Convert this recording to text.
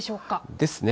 ですね。